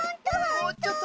もうちょっと。